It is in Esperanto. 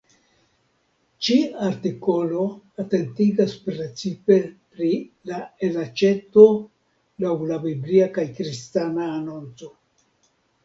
Ĉi artikolo atentigas precipe pri la elaĉeto laŭ la biblia kaj kristana anonco.